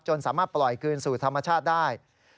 สามารถปล่อยคืนสู่ธรรมชาติได้